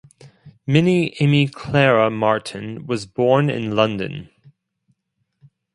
Minnie Amy Clara Martin was born in London.